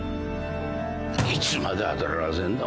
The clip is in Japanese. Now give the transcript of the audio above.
いつまで働かせんだ